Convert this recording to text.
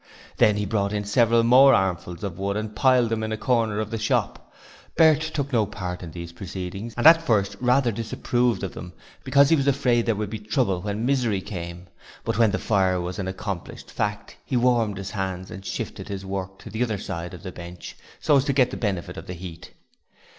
Then he brought in several more armfuls of wood and piled them in a corner of the shop. Bert took no part in these proceedings, and at first rather disapproved of them because he was afraid there would be trouble when Misery came, but when the fire was an accomplished fact he warmed his hands and shifted his work to the other side of the bench so as to get the benefit of the heat.